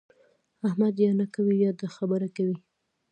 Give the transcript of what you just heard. احمد یا نه کوي يا د خبره کوي.